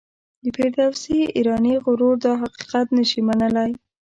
د فردوسي ایرانی غرور دا حقیقت نه شي منلای.